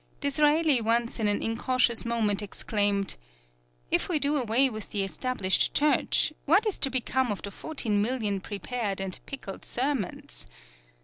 Disraeli once in an incautious moment exclaimed: "If we do away with the Established Church, what is to become of the fourteen million prepared and pickled sermons?